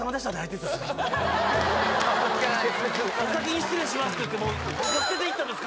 ここ「お先に失礼します」って言って僕を捨てていったんです